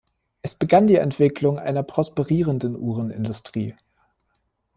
Es begann die Entwicklung einer prosperierenden Uhrenindustrie.